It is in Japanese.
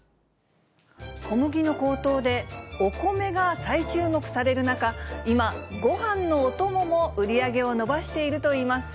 小麦の高騰で、お米が再注目される中、今、ごはんのお供も売り上げを伸ばしているといいます。